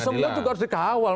sebenarnya juga harus dikawal